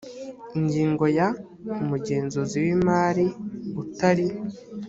ingingo ya umugenzuzi w imari utari